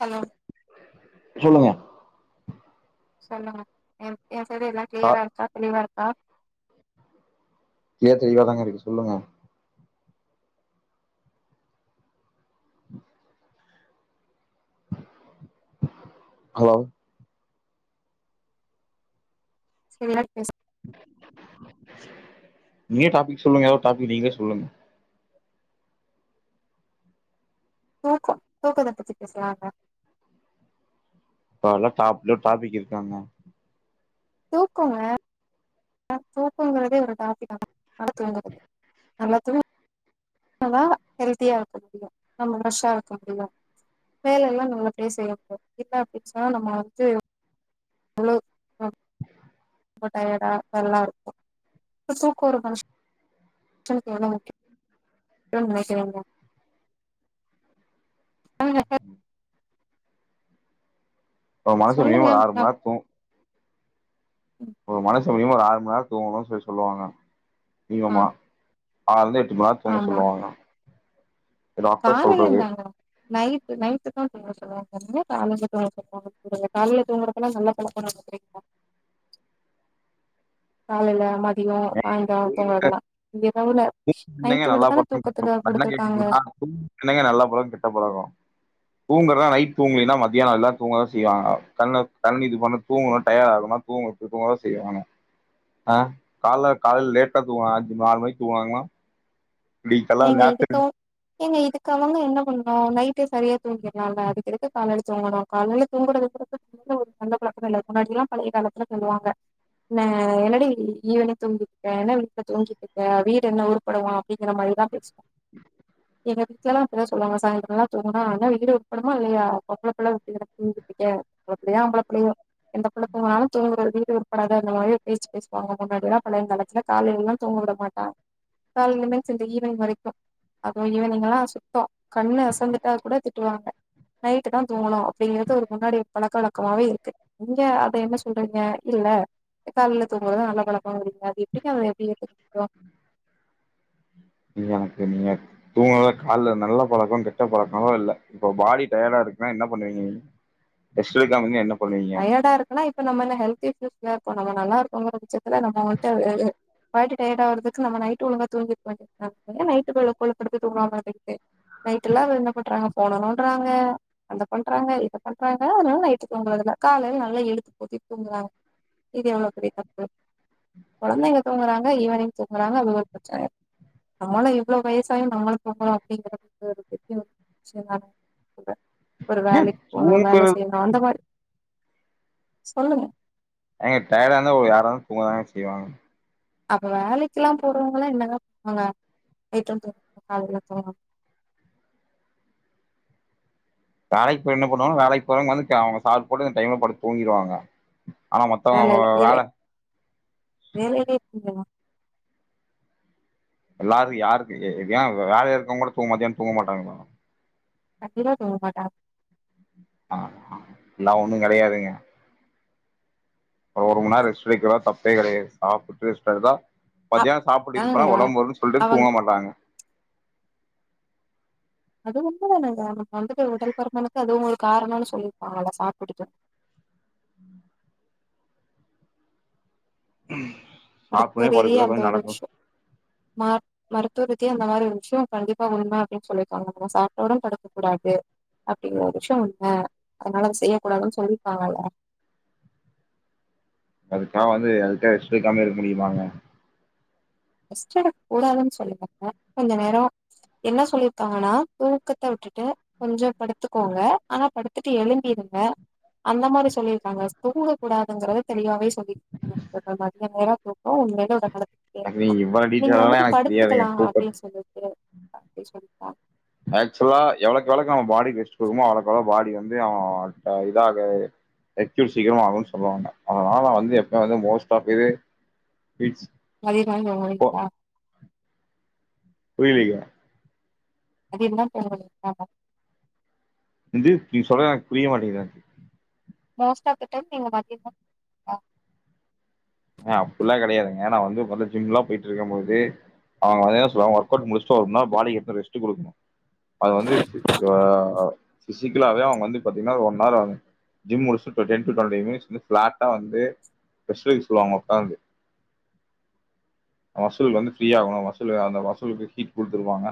Hello சொல்லுங்க சொல்லுங்க என் என் சரி எல்ல டா கிளியரா இருக்கா தெளிவா இரு ஆஹ ஏ தெளிவாதாங்க இருக்கு சொல்லுங்க உஹம் ஹலோ [unintelligible] நீயே டாபிக் சொல்லுங்க ஏரோது டாபிக் நீங்க சொல்லுங்க தூக்கம் தூக்கத்தை பத்தி பேசலாங்க இப்பல்லாம் டாப் டாபிக்கு இருக்காங்க தூக்கங்க தூக்குங்கறதே ஒரு டாபி தான் [unintelligible] அல்ல த நல்லா ஹெல்தியா இருக்க முடியும் நம்ம ஃப்ரெஷ்ஷா இருக்க முடியும் வேல எல்லாம் நல்லபடியே செய்ய முடியும் என்ன அப்படின்னு சொன்னா நம்ம வந்து அவ்ளவு [inaudible] டயடா இதெல்லாம் இருக்கும் தூக்கம் ஒரு மனுஸ் சனுக்கு ரொம்ப முக்கியம் [unintelligible] ஒரு மனுசு சொல்லுங்க மினுமம் ஒரு ஆறு மணி நேரம் துங் ஒரு மனச மினிம ஒரு ஆறு மணி நேரம் தூங்கணும்னு சொல்லி சொல்லுவாங்க மினிம ஆ [unintelligible] [unintelligible] சொல்லுவாங்க டாக்டர் காலையில் சொல்றது இருந்தாங்க நைட்டு நைட்டுக்க [unintelligible] காலைய தூங்கறதுல்லாம் நல்ல பழக்கம் காலையில மா [unintelligible] ரகுலர் என்னங்க நைட்டு் விட தானே தூக்கத்துக்கு கொடுத்துருக்காங்க ங்கங்க நல்லா பழகம் கெட்ட பழகம் தூங்குறதுனா நைட் தூங்கலன்னா மத்தியானம் எல்லாம் தூங்கதான் செய்வாங்க கண்ணு கண் இது பண்ண தூங்கணும் டயர் ஆகனா தூங்க தூங்கதான் செய்வாங்க ஆஹ் காலைல கால லேட்டா தூங்காங்க அஞ்சு நாலு மணிக்கு துவாங்களா [unintelligible] நீங்க இதுக்கு அவங்க என்ன பண்ணும் நைட்டு சரியா தூங்கிடலாம் இல்ல அடிக்கிறக்கு காலடி தூங்கணும் காலையில் தூங்குறது பகு ஒரு சண்ட பழக்கம் இல்லலை முன்னாடி எல்லாம் பழைய காலத்துல சொல்லுவாங்க என் என்னாடி ஈவினிங் தூங்கிக்க என்ன வீட்ல தூங்கிட்டு இருக்க வீடு என்ன உருப்படும அப்படிங்கிற மாரிதா [inaudible] உ எங்கீட்டுலல்லாம் இப்படிதான் சொல்லுவாங்க சாயந்தரம்ல்லாம் தூங்கினா வீடு உருப்படுமா இல்லையா [unintelligible] அவளோ எந்த பிங்காலும் வீடு வட்படாத அந்த மாதிரிய பேசச்சு பேசுவாங்க முன்னாடில்லாம் பழைய காலத்துல கால எல்லாம் தூங்க விட மாட்டாங்க கால வரைக்கும் அதுவும் ஈவினிங் எம் சுத்தம் கண்ணு அசந்துட்டா கூட திட்டுவாங்க நைட்டு தான் தூங்கணும் அப்படிங்கறது ஒரு முன்னாடி பழக்க வழக்கமாவே இருக்கு நீங்க அத என்ன சொல்றீங்க இல்ல கால்ல தூங்றதுதா நல்ல பழக்கம் [unintelligible] அத எப்டி ஏத்துக்க முடியும் நீ எனக்கு நீங்க தூங்க கால்ல நல்ல பழக்கம் கெட்ட பழக்கோ இல்ல இப்ப பாடி டயர்டா இருக்குன்னா என்ன பண்ணுவீங்க எடுக்காம இருந்தா என்ன பண்ணுவீங்க டயர்டா இருக்குன்னா இப்ப நம்ம என்ன ஹெல்தி ஃபுட்ஸ் நம்ம நல்லாருக்கோங்கற பட்சத்துல நம்ம வந்துட்டு பாடி டயர்ட் ஆகறதுக்கு நம்ம நைட்டு ஒழுங்கா தூங்கிட்டு நைட் [unintelligible] தூங்காம நைட்டெல்லா என்ன பண்றாங்க போனலா பண்றாங்க அத பண்றாங்க இத பண்றாங்க அதனால நை ட்டு தூங்குறதுல காலையில நல்லா இழுத்து போத்திட் தூங்குறாங்க இது எவ்வளவு பெரிய தப்பு கொழந்தைங்க தூங்குறாங்க ஈவினிங் தூங்குறாங்க அது ஒரு பிரச்சன நம்ம எல்லா இவ்வளோ வயசாயு நம்மளு தூங்கணு அப்டிங்கறது ஒரு பெரிய விஷயம் தா சொல்றே ஒரு வேலைக்கு போனு வேல தூங்குறது செய்யணு அந்த மாரி சொல்லுங்க ஏங்க டயர்டா இருந்தா யாராயிருந்தாலு தூங்கதாங்க செய்வாங்க அப்ப வேலைக்கெல்லா போறவங்கல்லா என்னங்க பன்வாங்க [unintelligible] வேலைக்கு போய் என்ன பண்ணுவாங்க வேலைக்கு போறவங்க வந்து அவங்க சாப்பிட்டு அந்த டைம்ல படுத்து தூங்கிடுவாங்க ஆனா வேலல மத்தவங்க வேலை வேல வேலையே [unintelligible] எல்லாருக்கு யாருக்கு ஏ வேல இருக்கவங்களு கூட மத்தியானோ தூங்க மாட்டாங்கலா கண்டிப்பா தூங்க மாட்டாங்க ஆஹ் எல்லா ஒண்ணு கெடையாதுங்க ஒரு மண் நேரம் ரெஸ்ட் எடுக்குறதுல தப்பே கெடையாது சாப்புட்டு ரெஸ்ட் எடுத்தா மத்தியானோ சாப்பிட்டு இது அப்டிதாங்க போனா ஒடம்பு வருன்னு சொல்ட்டு அவங்க தூங்க மாட்டாங்க அது உண்மதானேங்க நம்ம வந்துட்டு உடல் பருமனுக்கு அதுவு ஒரு காரணனு சொல்லிருப்பாங்கல சாப்டுட்டு உம் சாப்டோனே படுக் கூடாது கொஞ்சோ நடக்கு ம மருத்துவத்தயே அந்த மாரி ஒரு விஷயம் கண்டிப்பா உண்ம அப்டின்னு சொல்லிருக்காங்க நம்ம சாப்ட்டோடன் படுக்க கூடாது அப்டிங்கற ஒரு விஷயம் உண்ம அதனால அத செய்யக் கூடாதுன்னு சொல்லியிருக்காங்கல்ல அதுக்காக வந்து அதுக்காக ரெஸ்ட் எடுக்காமயே இருக்க முடியுமாங்க ரெஸ்ட் எடுக்க கூடாதுன் சொல்ல கொஞ்ச நேரம் என்ன சொல்லிருக்காங்கன்னா தூக்கத்த விட்டுட்டு கொஞ்சம் படுத்துக்கோங்க ஆனா படுத்துட்டு எழும்பிருங்க அந்த மாரி சொல்லியிருக்காங்க தூங்க கூடாதுங்கறதே சரியாவே சொல்லி [inaudible] மதிய நேரோ தூக்கோ உண்மைலே [unintelligible] எனக்கு [unintelligible] நீங்க இவ்ளோ நீங்க டீட்டெயில் எல்லா வந்துட்டு எனக்கு தெரியாதுங்க படுத்துக்கலா தூக்கத் அப்டின்னு சொல்லிட்டு [unintelligible] ஆக்சுவலா எவ்வளக்கு எவ்வளக்கு நம்ம பாடிக்கு ரெஸ்ட் கொடுக்குறோமோ அவ்வளக்கு அவ்வள பாடி வந்து அ இதாகு [unintelligible] சீக்கிரமா ஆவுனு சொல்லுவாங்க அதனாலநா வந்து எப்ப வந்து மோஸ்ட் ஆப் இது போ [unintelligible] புரியலீங்க அது என்ன [unintelligible] இந்து நீ சொல்றது எனக்கு புரிய மாட்டேங்குதுங்க மோஸ்ட்டா ஆஃப் த டைம் நீங்க மதியோ தா [inaudible] அ அப்படில்லா கெடையாதுங்க ஏன்னா நா வந்து இப்ப வந்து ஜிம்லா போயிட்ருக்கம் போது அவங்க வந்து என்ன சொல்லுவாங்க ஒர்க்வுட் முடிச்சுட்டு ஒரு நாள் பாடிக்கு ரெஸ்ட் குடுக்கணு அது வந்து அ ஃபிசிக்கலாவே அவங்க வந்து பாத்தீங்கனா ஒன் ஹவர் ஆகு ஜிம் முடிச்சிட்டு to ten to twelve time பிளாட்டா வந்து ஃபர்ஸ்ட் சொல்லுவாங்க ஒக்காந்து மசில் வந்து ஃப்ரீயாகணு மசிலு அந்த மசிலுக்கு ஹீட் குடுத்துருவாங்க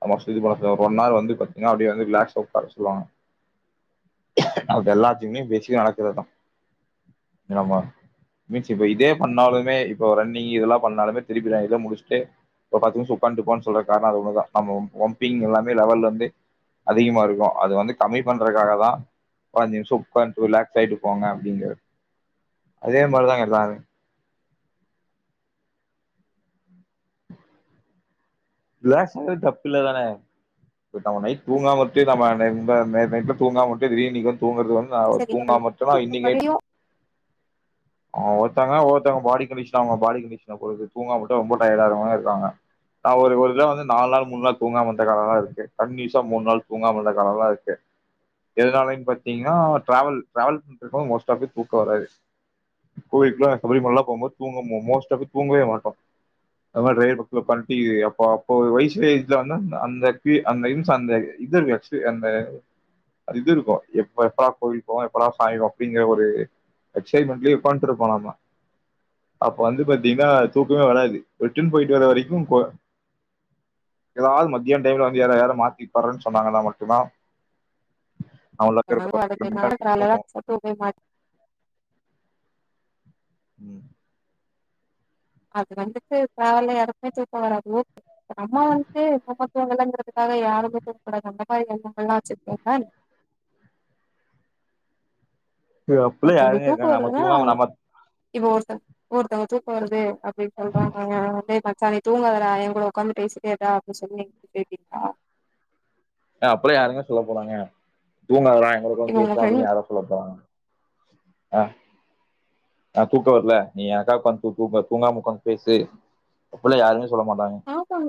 [unintelligible] ஒன் அர் வந்து பாத்தீங்கனா அப்டி வந்து ரிலாக்ஸா உக்கார சொல்வாங்க அப்டி எல்லாத்தயுமே பேசிகா நடக்குறது தா ஆமா மீச்சு இப்ப இதே பண்ணாலுமே இப்ப ரன்னிங் இதெல்லா பண்ணாலுமே திருப்பி இத முடிச்சுட்டு ஒரு பத்து நிமிஷம் உக்காந்துட்டு போனு சொல்றக்கு காரனோ அது ஒண்ணுதா நம்ப [unintelligible] எல்லாமே லெவல் வந்து அதிகமா இருக்கு அது வந்து கம்மி பண்றதுக்காக தா ஒரு அஞ்சு நிமிஷோ உக்கான்ட்டு ரிலாக்ஸ் ஆயிட்டு போங்க அப்டிங்கறது அதே மாரிதா எல்லாரு ரிலாக்ஸ்ஸாகறது தப்பில்ல தானே [unintelligible] நைட் தூங்காமவுட்டீன்னா நம்ம நேத்து முந்தா [unintelligible] நேத்து நைட்ல தூங்காமவுட்டு திடீர்னு இன்னைக்கு வந்து தூங்கறது வந்து நா சரியா தூங்காமவுட்டன்னா இன்னைக்கு நைட் படியு ஆ ஒருத்தங்க ஒவ்வொருத்தங்க பாடி கண்டிஷன அவங்க பாடி கண்டிஷன பொறுத்து தூங்காமவுட்டா ரொம்ப டயர்டாகுறவங்களு இருக்காங்க ஆ ஒரு ஒரு ங்காமந்த கால இருூு நாள் தூங்காமந்த கால இருக்குனாலராது கோில சரிம போகும்பது தூங்கவே மாட்டயில் ப இப்ப ஒரு வயசு [unintelligible] அந்த பி அந்த இம்ஸ் அந்த இது இருக்கு ஆக்ஷுவலி அந்த அது இது இருக்கு எப்ப எப்படா கோவிலுக்கு போவோ எப்படா சாமி பாப்போன்னு அப்டிங்கிற ஒரு எக்சைட்மெண்ட்லயே உக்கான்ட்டு இருப்போ நாம அப்ப வந்து பாத்தீங்கன்னா தூக்கமே வராது ரிட்டர்ன் போயிட்டு வர வரைக்கு கொ எதாவது மதியான டைம்ல வந்து யார யார மாத்திப்பாருன்னு சொன்னாங்கன்னா மட்டு தா [unintelligible] ம் அது வந்துட்டு பகல்ல யாருக்குமே தூக்க வராது எங்க அம்மா வன்ட்டு எப்ப பா தூங்கலங்கிறதுக்காக யாருமே தூங்கக்கூடாது அந்த மாதிரி எண்ணமெல்லா [unintelligible] இல்ல அப்ட்லா யாருங்க இருக்காங்க நம்ம வருதுன்னா தூங்காம நம்ம இப்ப ஒருத்தர் ஒருத்தவங்களுக்கு தூக்க வருது அப்டின்னு சொல்றாங்க [unintelligible] மச்சா தூங்காதடா ஏன்க்கூட உக்காந்து பேசிட்டேயிருடா அப்படின்னு சொல்லி [unintelligible] அப்டிலா யாருங்க சொல்லப்போறாங்க தூங்காதடா [unintelligible] கூட இப்ப உங்க பேசுடா அப்டி ஃப்ரெண்ட் யார சொல்லப்போறாங்க ஆ ஆ தூக்க வரல நீ எனக்காக உக்காந்து தூ தூ தூங்காம உக்காந்து பேசு அப்ட்லா யாருமே சொல்ல மாட்டாங்க ஆமாங்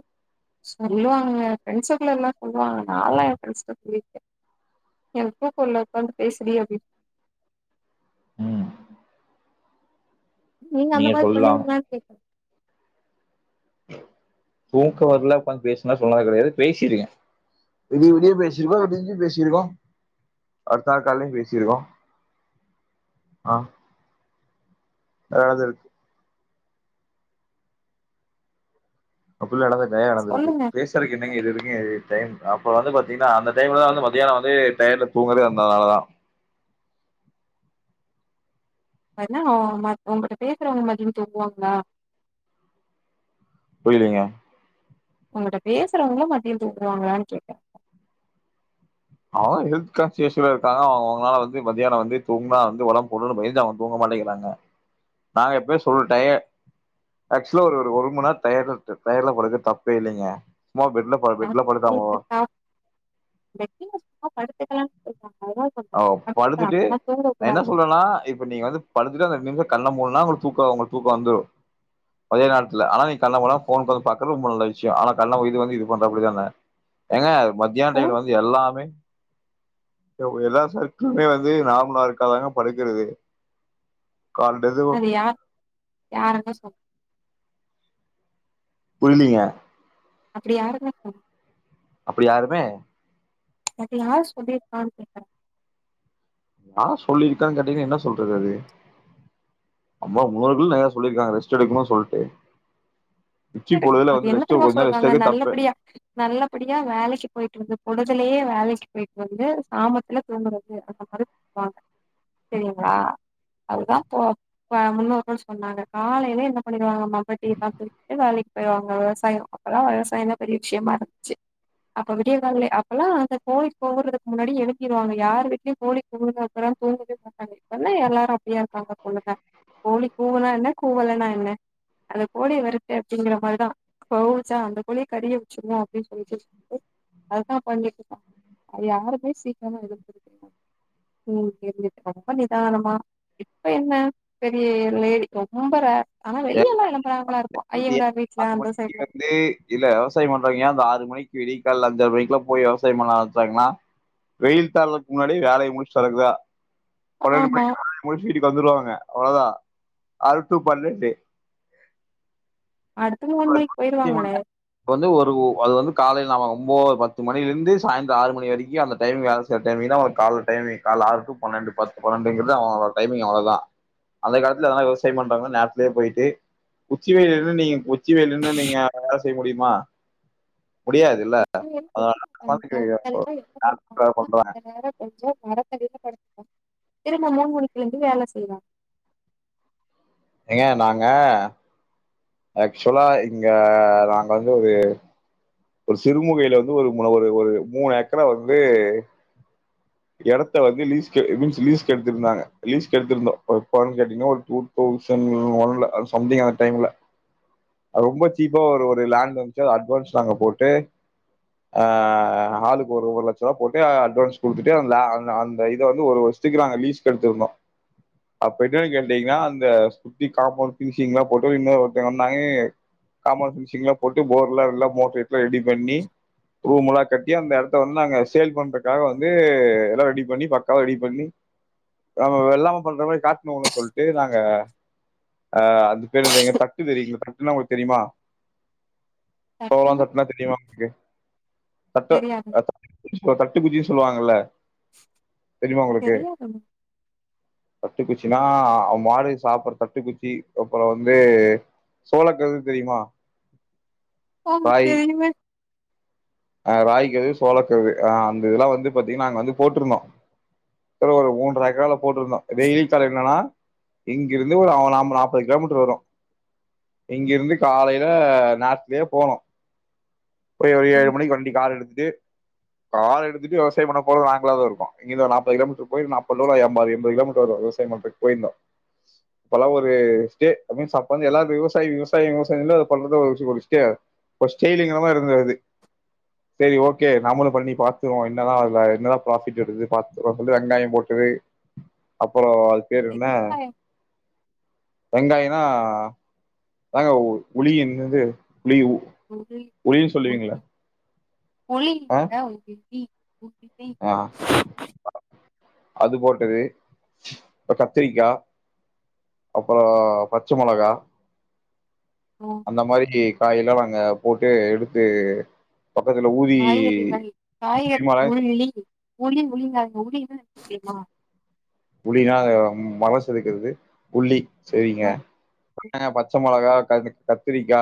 சொல்லுவாங்க ஃப்ரெண்ட்ஸுக்குள்ளாறலா சொல்லுவாங்க நாலா ஏ ஃப்ரெண்ட்ஸ்ட்ட சொல்லிருக்கே எனக்கு தூக்க வர்ல உக்காந்து பேசுடி அப்டின் ம் நீங்க அந்த மாரி பண்ணுவீங்களான்னு கேக்குற தூக்க வர்ல உக்காந்து பேசுன்னுலா சொன்னது கெடையாது பேசிருக்கே விடிய விடிய பேசிருக்கோ விடிஞ்சு பேசிருக்கோ அடுத்தநாள் காலைலயு பேசிருக்கோ ஆ [unintelligible] சொல்லுங்க [unintelligible] பேசறக்கு என்னங்க இது இதுக்கு இ டைம் அப்ப வந்து பாத்தீங்கன்னா அந்த டைம்லதானல் வந்து மதியான வந்து டயர்ட்ல தூங்குறதே அந்தனாலதா [unintelligible] உங்கக்கிட்ட பேசுறவங்க மதியமு தூங்குவாங்களா புரியலீங்க உங்கிட்ட பேசுறவங்களு மதிய தூக்குவாங்களான்னு கேட்டே அவ அவ ஹெல்த் கான்ஷியஸ்ஸோட இருக்காங்க அவங்க அவங்களாது வந்து மதியான வந்து தூங்குனா வந்து ஒடம்ப போட்டுடுன்னு பயந்து அவங்க தூங்க மாட்டேங்கிறாங்க நா எப்பயுமே [unintelligible] ஆக்ஷுவலா ஒரு ஒரு மணி நேர டயர்ட்ல த் டயர்ட்ல போறது தப்பே இல்லைங்க [unintelligible] பெட்ல படு பெட்ல படுத்தா எங்க [unintelligible] ஆ படுத்துக்கலா [unintelligible] ஒ படுத்துட்டு ஆனா தூங்க நா என்ன கூடாது சொல்றேன்னா இப்ப நீங்க வந்து படுத்துட்டு அந்த [unintelligible] கண்ண மூட்ன்னா உங்களுக் தூக்க உங்களுக்கு தூக்க வந்துடு அதே நேரத்துல ஆனா நீ கண்ண [unintelligible] ஃபோன் பாக் [unintelligible] ரொம்ப நல்ல விஷ்ய ஆனா கண்ண இது வந்து இது பண்றாப்படிதான ஏங்க மத்தியான போ டைம்ல வந்து எல்லாமே எல்லா சர்க்கிளுமே வந்து நார்மல இருக்கதாங்க படுக்கறது கால்லேந்து அது யா யாருங்க சொல் புரிலிங்க அப்டி யாரெலா அப்டி யாருமே அது யாரு சொல்லிருக்கான் கேக்குற யார் சொல்லிருக்கான் கேட்டிங்கனா என்ன சொல்றது அது நம்ம முன்னோர்கள் நெறைய சொல்லிருக்காங்க ரெஸ்ட் எடுக்குனு சொல்ட்டு உச்சி பொழுதுல அது வந்து என்ன ரெஸ்ட் தெரிமா கொஞ்ச நேரோ ரெஸ்ட் சொல்றாங்க எடுக்கறது தப்பு நல்லபடியா நல்லபடியா வேலைக்கு போயிட்டு வந்து பொழுதுலயே வேலைக் கு போய்ட்டு வந்து சாமத்துல தூங்குறது அந்த மாரி சொல்வாங்க சரிங்ளா அதுதா ப முன்னோர்கள் சொன்னாங்க காலைல என்ன பண்ணிருவாங்க மம்பட்டி சாக்கு போயிருவாங்க விவசாய அப்பல்லா விவசாயந்தா பெரிய விஷயமா இருந்துச்சு அப்ப விடியக்காலலே அப்பெல்லா அந்த கோழி கூவுறதுக்கு முன்னாடி எழுப்பிடுவாங்க யார் வீட்லயு கோழி கூவுனதுக்கப்புற தூங்கவே மாட்டாங்க சொன்னா எல்லாரு அப்படியா இருக்காங்க பொண்ணுங்க கோழி கூவுனா என்ன கூவலனா என்ன அந்த கோழிய வறு அப்படிங்கிற மாரிதா கூவுச்சா அந்த கோழிய கறிய வெச்சிருவோ அப்டினு சொல்லிட்டு அதா பண்ணிட்ருக்கோ அது யாருமே சீக்கிரமா எழுப்பறதில்ல [inaudible] ரொம்ப நிதானமா இப்ப என்ன பெரிய லேடி ரொம்ப ரேர் ஆனா ஏ வெளியெல்லா எழுப்பறாங்ளா இருக்கு ஐயங்கார் வீட்ல அந்த சைட்ல [inaudible] இல்ல விவசாய பண்றவிங்க அந்த ஆறு மணிக்கு விடிய காலல அஞ்சர மணிக்லா போய் விவசாய பண்ண ஆரம்பிச்சாங்னா வெயில் தாளறக்கு முன்னாடியே வேலைய முடிச்சுட்டு வரக்குதா பன்னெண்டு ஆமா மணிக்கு வேலைய முடிச்சுட்டு வீட்டுக்கு வந்துடுவாங்க அவ்ளதா ஆறு டூ பன்னெண்டு அடுத்து மூணு மணிக்கு போயிருவாங்க [inaudible] வந்து ஒரு அது வந்து காலைல அவ ஒம்போது பத்துமணிலிருந்து சாய்ந்தர ஆறு மணிவரைக்கு அந்த டைமிங் வேல செய்ற டைமிங்தா ஒரு கால டைமிங் காலல ஆறு டூ பன்னண்டு பது பன்னெண்ட்ரைங்கிறதே அவ அவ டைமிங் அவ்ளோதா அதே காலத்துல எதா விவசாய பண்றாங்கனா நேரத்திலயே போயிட்டு உச்சி வெயில்ல நீங்க உச்சி வெயில்ல நின்னு நீங்க வேல செய்ய முடியுமா முடியாதுல்ல. உச்சி வெயில் [inaudible] அந்த அதனால நேர என்ன பண்ணுவாங்னா பண்றாங்க அந்த நேர கொஞ்ச மரத்தடியில படுத்துப்பாங்க திரும்பவு மூனு மணிக்கு எழுந்து வேல செய்வாங்க ஏங்க நாங்க ஆக்சுவலா இங்க நாங்க வந்து ஒரு ஒரு சிறுமுகையில வந்து ஒரு மூண ஒரு ஒரு மூணு ஏக்கரா வந்து எடத்த வந்து லீசுக்கு ஐ மீன்ஸ் லீசுக்கு எடுந்திருந்தாங்க லீஸ்க்கு எடுத்துருந்தோ எப்போன் கேட்டிங்னா ஒரு டூதவுசன் ஒன்ல சம்திங் அந்த டைம்ல ரொம்ப சீப்பா ஒரு ஒரு லேண்ட் வந்துச்சா அட்வான்ஸ் நாங்க போட்டு் ஆ ஆளுக்கு ஒரு ஒரு லட்ச ருவா போட்டு அட்வான்ஸ் குடுத்துட் டு அ அ அந்த இத வந்து ஒரு வருஷத்துக்கு நா லீஸ்க்கு எடுந்திருந்தோ அப்ப என்னன் கேட்டிங்னா அந்த சுத்தி காம்பவுண்ட் ஃபினுஷிங்லா போட்டு இன்னொ ஒருத்தங்க வந்தாங்க காம்பவுண்ட் ஃபினிஷிங்லா போட்டு போர்லா எல்லா மோட்ரு ரெடி பண்ணி ரூமுலா கட்டி அந்த எடத்த வந்து நாங்க சேல் பண்றக்காக வந்து எல்லா ரெடி பண்ணி பக்காவா ரெடி பண்ணி நம்ம வெள்ளாம பண்ற மாரி காட்னு சொல்ட்டு நாங்க அ அது பேரு எங்க தட்டு தெரிங்ள தட்டுன்னா உங்களுக்கு தெரிமா சோளந் தட்டுனா தெரியுமா உங்ளுக்கு தட்டு தெரியாது [inaudible] தட்டுக்குச்சி சொல்லுவாங்கல்ல தெரியாது தட்டுக்குச்சின்னா மாடு சாப்பற தட்டுக்குச்சி அப்புற வந்து சோளக்கருது தெரியுமா ஓ ராகி தெரியுமே ஆ ராய்கருது சோளக்கருது அ அந்த இதெல்லா வந்து பாத்திங்னா நாங்க வந்து போட்ருந்தோ இதுல ஒரு மூன்ற ஏக்கரால போட்ருந்தோ டெய்லி தொலைவ் என்னனா இங்கிருந்து ஒரு நாம்பது நாப்பது கிலோமீட்டர் வரு இங்கிருந்து காலையில நேரத்திலயே போகனு போயி ம் வண்டி கார் எடுத்துட்டு கார் எடுத்துட்டு விவசாய பண்ண போறது நாங்களாதா இருக்கு இங்கருந்து ஒரு நாப்பது கிலோமீட்டர் போய் நாப்பது எம்பது எண்பது கிலோமீட்டர் வரு விவசாய பண்றக்கு போயிருந்தோ அப்பல்லா ஒரு ஸ ஐ மீன்ஸ் அப்ப வந்து எல்லாரு விவசாய விவசாய விவசாயனு சொல்றது ஒரு ஸ ஒரு ஸ்டைலிங்காவு இருந்துது அது சரி ஓகே நாமளு பண்ணி பாத்துருவோ என்னதா அதுல என்னதா பராஃபிட் வருது பாத்து ஒரு துண்டு வெங்காய போட்டுது அப்புறோ பேருனா வெங்காயம் வெங்காயனா தாங்க உலி என்னது உளி உளினு சொல்லுவீங்களே உளி ங்க உளி ளி உ உளி ஆ அது போட்டது கத்திரிக்கா அப்பற பச்ச மொளகா அப்றோ அந்த மாதிரி காயெல்லா நாங்க போட்டு எடுத்து பக்கத்துல ஊதி காய்கறிகள் ஊதி காயர் மழ உள்ளி உளி உளிங்க அது உளின்ன என்ன தெரியுமா புலினா ஆ மல செதுக்கறது புள்ளி சரிங்க மர வெங்காய பச்ச மொளகா கத்திரிக்கா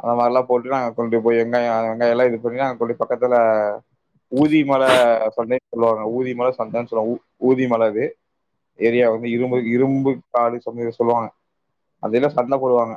அந்த மாரில்லா போட்டு நாங்க கொண்டு போய் வெங்காய எல்லா இது பண்ணி நாங்க கொண்டு பக்கத்துல ஊதி மல சம்டைம்ஸ் சொல்லுவாங்க ஊதி மல சம்டைம் சொல்லுவாங்க ஊ ஊதிமல ரு ஏரியா வந்து இரும்பு இரும்பு காடி [unintelligible] சொல்லுவாங்க அதல்லா சண்ட போடுவாங்க